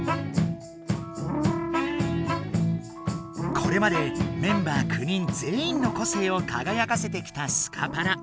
これまでメンバー９人ぜんいんの個性をかがやかせてきたスカパラ。